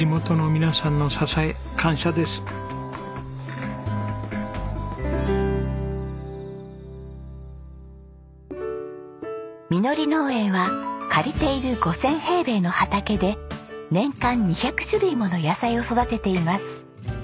みのり農園は借りている５０００平米の畑で年間２００種類もの野菜を育てています。